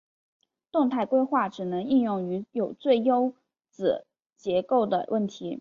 动态规划只能应用于有最优子结构的问题。